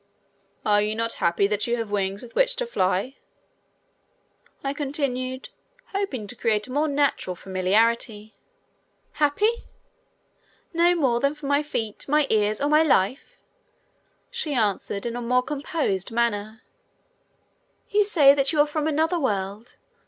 "Are you not happy that you have wings with which fly?" I continued, hoping to create a more natural familiarity. "Happy? No more than for my feet, my ears, or my life," she answered in a more composed manner. "You say that you are from another world.